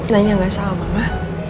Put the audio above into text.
nanya gak salah mama